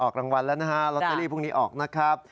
รางวัลแล้วนะฮะลอตเตอรี่พรุ่งนี้ออกนะครับ